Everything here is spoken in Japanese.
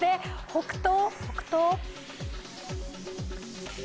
北東？